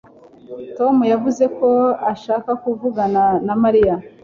Tom yavuze ko ashaka kuvugana na Mariya